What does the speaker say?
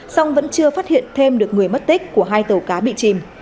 song vẫn chưa phát hiện thêm được người mất tích của hai tàu cá bị chìm